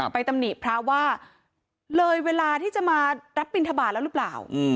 ตำหนิพระว่าเลยเวลาที่จะมารับบินทบาทแล้วหรือเปล่า